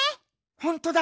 ほんとだ！